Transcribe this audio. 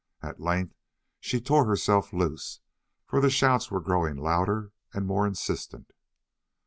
At length she tore herself loose, for the shouts were growing louder and more insistent.